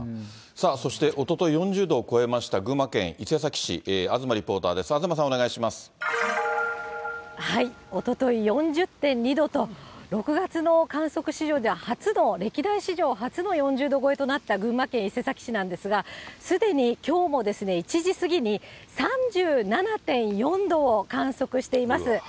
そしておととい４０度を超えました群馬県伊勢崎市、東リポーおととい４０．２度と、６月の観測史上で初の、歴代史上初の４０度超えとなった群馬県伊勢崎市なんですが、すでにきょうも１時過ぎに３７．４度を観測しています。